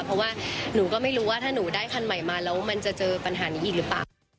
เพราะว่าหนูก็ไม่รู้ว่าถ้าหนูได้คันใหม่มาแล้วมันจะเจอปัญหานี้อีกหรือเปล่า